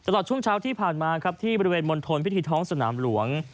ตลอดช่วงเช้าที่ผ่านมาครับที่บริเวณมณฑลพิธีท้องสนามหลวง